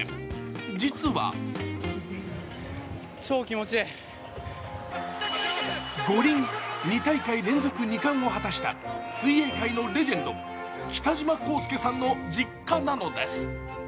実は五輪２大会連続２冠を果たした水泳界のレジェンド・北島康介さんの実家なのです。